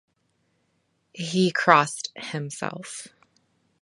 He crossed himself.